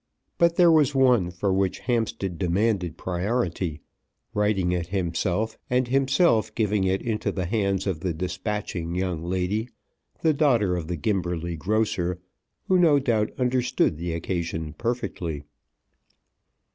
But there was one for which Hampstead demanded priority, writing it himself, and himself giving it into the hands of the despatching young lady, the daughter of the Gimberley grocer, who no doubt understood the occasion perfectly.